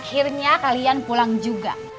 akhirnya kalian pulang juga